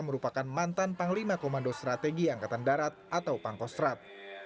merupakan mantan panglima komando strategi angkatan darat atau pangkostrat